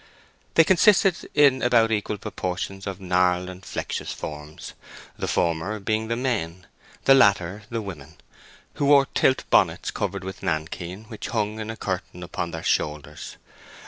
They consisted in about equal proportions of gnarled and flexuous forms, the former being the men, the latter the women, who wore tilt bonnets covered with nankeen, which hung in a curtain upon their shoulders.